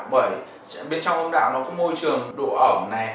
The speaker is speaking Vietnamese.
bởi bên trong âm đạo nó có môi trường độ ẩm này